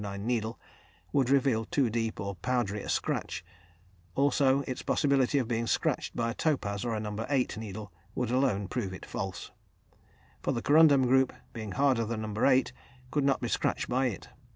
9 needle, would reveal too deep or powdery a scratch; also its possibility of being scratched by a topaz or a No. 8 needle, would alone prove it false, for the corundum group, being harder than No. 8, could not be scratched by it.